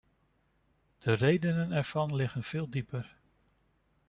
De redenen ervan liggen veel dieper.